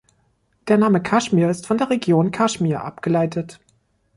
Der Name Kaschmir ist von der Region Kaschmir abgeleitet.